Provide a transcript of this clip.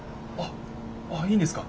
あっいいんですか。